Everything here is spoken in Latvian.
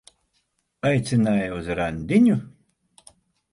Aicināja uz randiņu?